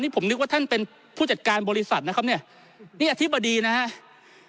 ผมนึกว่าท่านเป็นผู้จัดการบริษัทนะครับเนี่ยนี่อธิบดีนะครับ